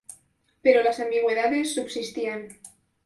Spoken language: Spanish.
Pero las ambigüedades subsistían.